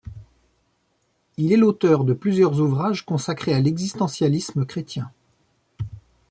Il est l'auteur de plusieurs ouvrages consacrés à l'existentialisme chrétien.